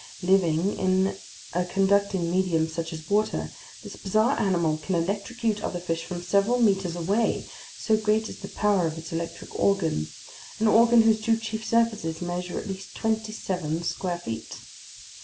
Living in a conducting medium such as water, this bizarre animal can electrocute other fish from several meters away, so great is the power of its electric organ, an organ whose two chief surfaces measure at least twenty seven square feet.